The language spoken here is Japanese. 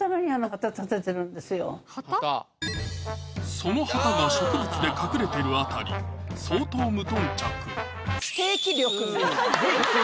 その旗が植物で隠れてるあたり相当無頓着